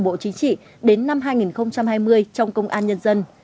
đối với tổ chức và hoạt động của luật sư trong công an nhân dân